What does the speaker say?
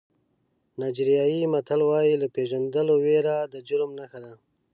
نایجیریایي متل وایي له پېژندلو وېره د جرم نښه ده.